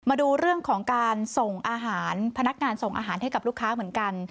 มาดูเรื่องของการส่งอาหารพนักงานส่งอาหารให้กับลูกค้าเหมือนกัน